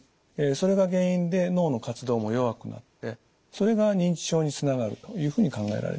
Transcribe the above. それが原因で脳の活動も弱くなってそれが認知症につながるというふうに考えられております。